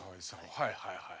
はいはいはい。